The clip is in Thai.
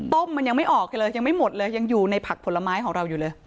มันยังไม่ออกไปเลยยังไม่หมดเลยยังอยู่ในผักผลไม้ของเราอยู่เลย